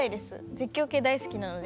絶叫系大好きなので。